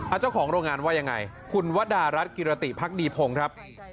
เจ้าของโรงงานว่ายังไงคุณวดารัฐกิรติพักดีพงศ์ครับ